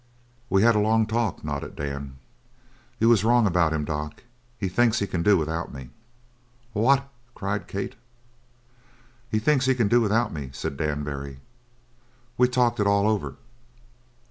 "We had a long talk," nodded Dan. "You was wrong about him, doc. He thinks he can do without me." "What?" cried Kate. "He thinks he can do without me," said Dan Barry. "We talked it all over."